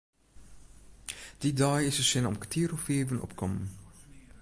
Dy dei is de sinne om kertier oer fiven opkommen.